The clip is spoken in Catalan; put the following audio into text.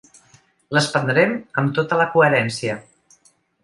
Les prendrem amb tota la coherència.